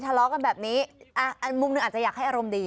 ทะเลาะกันแบบนี้มุมหนึ่งอาจจะอยากให้อารมณ์ดี